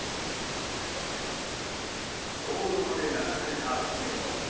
道路まで流された船も。